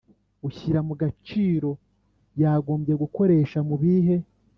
ushyira mu gaciro yagombye gukoresha mu bihe